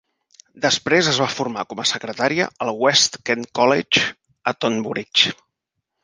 Després es va formar com a secretària al West Kent College, a Tonbridge.